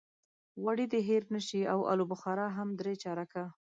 غوړي دې هېر نه شي او الوبخارا هم درې چارکه.